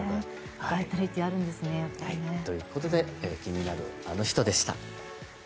バイタリティーあるんですね。ということで気になるアノ人でした。